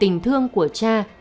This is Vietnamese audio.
vì tình thương của cha